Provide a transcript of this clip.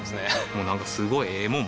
もうなんかすごいええもん